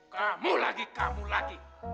kamu lagi kamu lagi